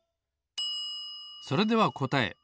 それではこたえ。